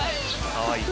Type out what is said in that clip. かわいい。